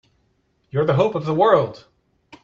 You're the hope of the world!